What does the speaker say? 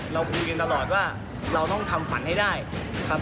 เราคุยกันตลอดว่าเราต้องทำฝันให้ได้ครับ